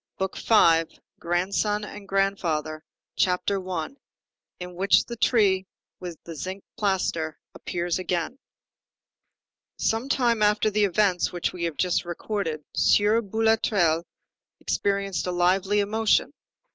BOOK FIFTH—GRANDSON AND GRANDFATHER CHAPTER I—IN WHICH THE TREE WITH THE ZINC PLASTER APPEARS AGAIN Some time after the events which we have just recorded, Sieur Boulatruelle experienced a lively emotion.